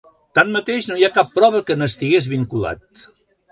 Tanmateix, no hi ha cap prova que n'estigués vinculat.